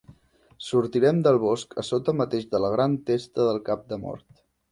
Sortirem del bosc a sota mateix de la gran testa del Cap de Mort.